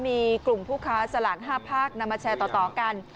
มีกลุ่มผู้ค้าสลาก๕ภาคนำมาแชร์ต่อกัน